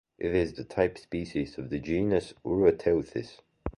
It is the type species of the genus "Uroteuthis".